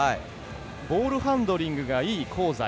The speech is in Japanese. ボールハンドリングがいい香西。